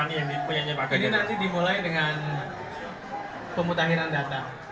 ini nanti dimulai dengan pemutahiran data